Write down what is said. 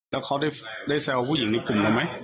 แล้วเขาได้แซวผู้หญิงในกลุ่มเราไหม